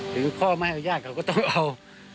ถึงพ่อไม่เอาอย่างเขาก็ต้องเอา